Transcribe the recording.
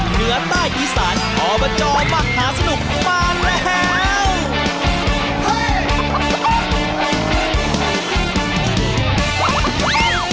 เหนือใต้อีสานอบจมหาสนุกมาแล้ว